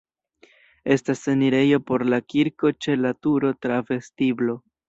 Estas enirejo por la kirko ĉe la turo tra vestiblo.